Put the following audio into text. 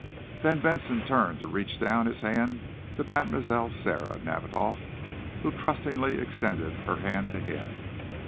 Then Benson turned to reach down his hand to Mlle. Sara Nadiboff, who trustingly extended her hand to him.